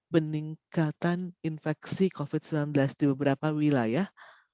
peningkatan infeksi covid sembilan belas di beberapa wilayah